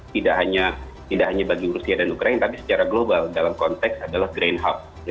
tidak hanya bagi rusia dan ukraina tapi secara global dalam konteks adalah green hub